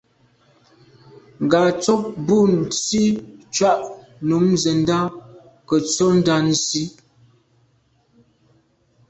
Ngatshob nu Nsi tshùa num nzendà nke’e ntsho Ndà Nsi.